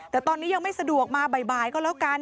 แต่ตอนนี้ยังไม่สะดวกมาบ่ายก็แล้วกัน